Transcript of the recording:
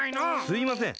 すいません！